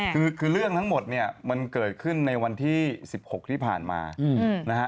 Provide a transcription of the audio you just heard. คือเรื่องทั้งหมดเนี่ยมันเกิดขึ้นในวันที่๑๖ที่ผ่านมานะฮะ